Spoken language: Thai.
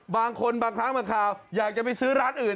บางคนบางครั้งบางคราวอยากจะไปซื้อร้านอื่น